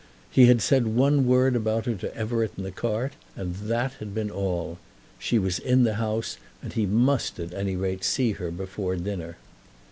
He had said one word about her to Everett in the cart, and that had been all. She was in the house, and he must, at any rate, see her before dinner.